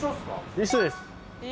一緒です。